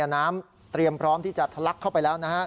น้ำเตรียมพร้อมที่จะทะลักเข้าไปแล้วนะฮะ